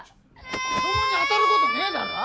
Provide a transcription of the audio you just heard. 子どもに当たることねぇだろ。